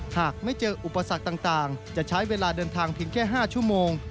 หากไม่เจออุปสรรคต่างจะใช้เวลาเดินทางเพียงแค่๕ชั่วโมง